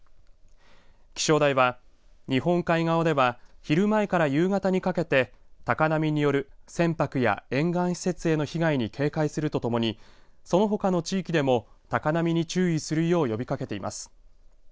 気象台は日本海側では昼前から夕方にかけて高波による船舶や沿岸施設への被害に警戒するとともにそのほかの地域でも高波に注意するよう呼びかけています。